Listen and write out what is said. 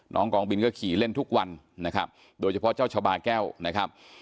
กองบินก็ขี่เล่นทุกวันนะครับโดยเฉพาะเจ้าชาบาแก้วนะครับ